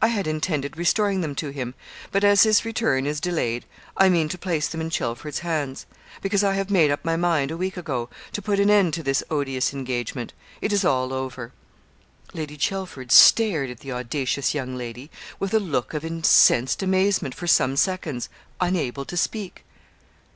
I had intended restoring them to him; but as his return is delayed, I mean to place them in Chelford's hands; because I have made up my mind, a week ago, to put an end to this odious engagement. It is all over.' Lady Chelford stared at the audacious young lady with a look of incensed amazement for some seconds, unable to speak.